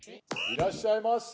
いらっしゃいませ！